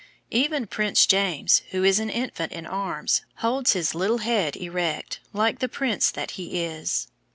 Even Prince James, who is an infant in arms, holds his little head erect, like the prince that he is.